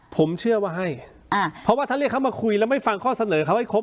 ผมเชื่อว่าให้อ่าเพราะว่าถ้าเรียกเขามาคุยแล้วไม่ฟังข้อเสนอเขาให้ครบ